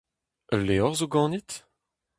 Ul levr zo ganit ?